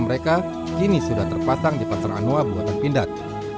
mereka kini sudah terpasang di pasar anua buatan pindad